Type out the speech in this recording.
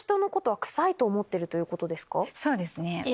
そうですね。